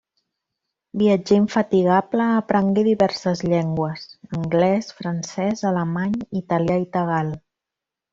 Viatger infatigable, aprengué diverses llengües: anglès, francès, alemany, italià i tagal.